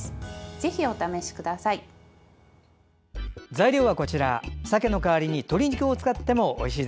ぜひ、お試しください。